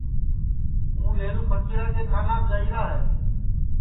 ہُوں لیہرو پھکیرا کے تھاناپ جائییرا ہے